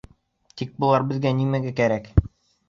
Тик былар беҙгә нимәгә кәрәк?